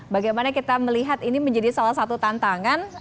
bagaimana kita melihat ini menjadi salah satu tantangan